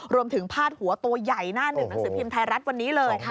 พาดหัวตัวใหญ่หน้าหนึ่งหนังสือพิมพ์ไทยรัฐวันนี้เลย